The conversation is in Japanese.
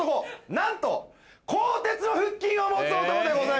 なんと鋼鉄の腹筋を持つ男でございます。